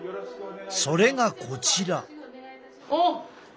それがこちら。